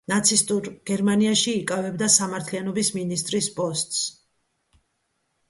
ნაცისტურ გერმანიაში იკავებდა სამართლიანობის მინისტრის პოსტს.